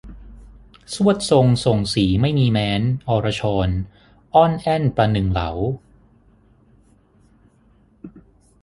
ทรวดทรงส่งศรีไม่มีแม้น อรชรอ้อนแอ้นประหนึ่งเหลา